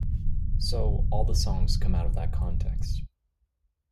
So, all the songs come out of that context.